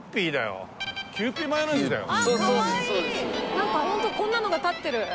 なんかホントこんなのが立ってる。